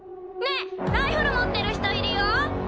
ねえライフル持ってる人いるよ